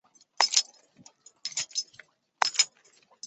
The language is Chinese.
这些藏品绝大部分为清宫旧藏的传世作品。